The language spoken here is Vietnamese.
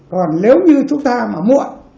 còn nếu như chúng ta mà muộn